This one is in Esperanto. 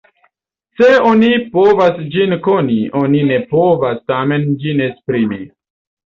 Se oni povas ĝin koni, oni ne povas tamen ĝin esprimi.